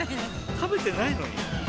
食べてないのに？